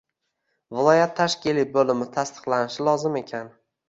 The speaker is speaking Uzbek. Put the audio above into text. viloyat tashkiliy bo‘limi tasdiqlashi lozim ekan.